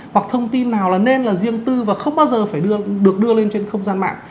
hoặc thông tin nào là nên là riêng tư và không bao giờ phải được đưa lên trên không gian mạng